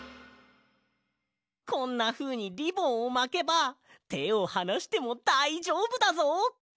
こんなふうにリボンをまけばてをはなしてもだいじょうぶだぞ。